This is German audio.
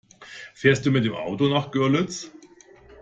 Fährst du mit dem Auto nach Görlitz?